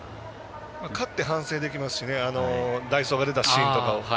勝って反省できますしね代走が出たシーンとか。